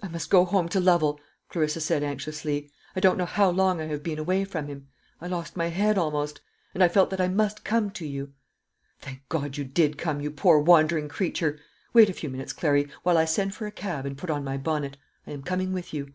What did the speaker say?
"I must go home to Lovel," Clarissa said anxiously. "I don't know how long I have been away from him. I lost my head, almost; and I felt that I must come to you." "Thank God you did come, you poor wandering creature! Wait a few minutes, Clary, while I send for a cab, and put on my bonnet. I am coming with you."